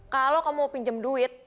kalau kamu mau pinjem duit